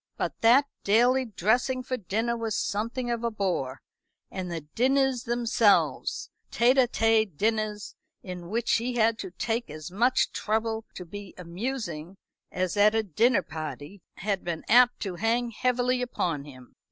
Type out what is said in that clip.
But that daily dressing for dinner was something of a bore; and the dinners themselves tête à tête dinners, in which he had to take as much trouble to be amusing as at a dinner party, had been apt to hang heavily upon him.